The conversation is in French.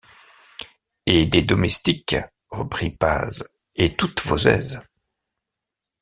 Et des domestiques, reprit Paz, et toutes vos aises.